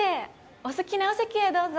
お好きなお席へどうぞ。